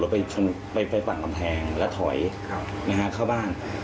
ไปชนไปฝั่งกำแพงแล้วถอยเข้าบ้าน